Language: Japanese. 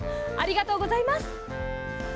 ありがとうございます。